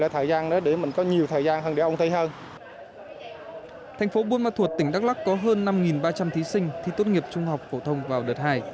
thành phố buôn ma thuột tỉnh đắk lắc có hơn năm ba trăm linh thí sinh thi tốt nghiệp trung học phổ thông vào đợt hai